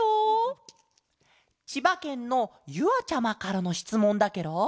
ちばけんのゆあちゃまからのしつもんだケロ。